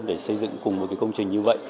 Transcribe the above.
để xây dựng cùng một công trình như vậy